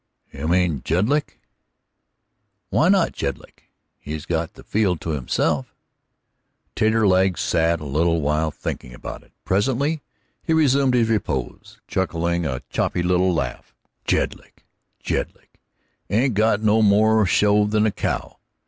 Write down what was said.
"You mean Jedlick?" "Why not Jedlick? He's got the field to himself." Taterleg sat a little while thinking about it. Presently he resumed his repose, chuckling a choppy little laugh. "Jedlick! Jedlick ain't got no more show than a cow.